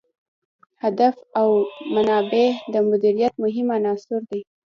هدف او منابع د مدیریت مهم عناصر دي.